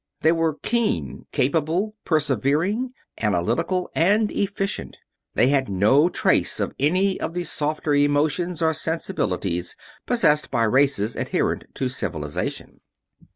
They were keen, capable, persevering, analytical, and efficient. They had no trace of any of the softer emotions or sensibilities possessed by races adherent to Civilization.